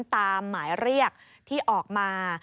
หมายเรียกที่ออกมา